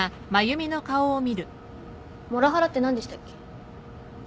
モラハラって何でしたっけ？